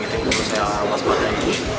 itu yang perlu saya awas pada ini